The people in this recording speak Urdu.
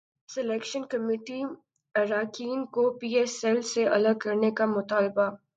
سلیکشن کمیٹی اراکین کو پی ایس ایل سے الگ کرنے کا مطالبہ